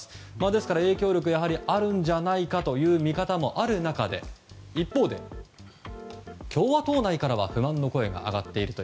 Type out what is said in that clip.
ですから影響力はやはりあるんじゃないかという見方もある中で一方で、共和党内からは不満の声が上がっていると。